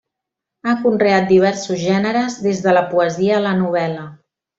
Ha conreat diversos gèneres, des de la poesia a la novel·la.